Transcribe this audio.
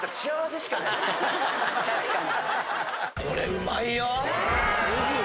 確かに。